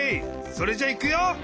それじゃいくよ！